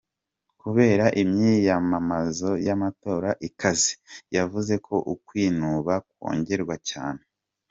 Kubera imyiyamamazo y’amatora ikaze, yavuze ko ukwinubana kwongerekanye cane.